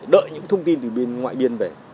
đợi những thông tin từ bên ngoại biên về